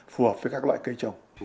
phù hợp với các loại cây trồng